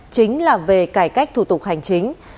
chính là về cải cách thủ tục hành chính